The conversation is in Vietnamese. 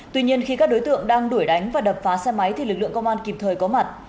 tuy nhiên khi các đối tượng đang đuổi đánh và đập phá xe máy thì lực lượng công an kịp thời có mặt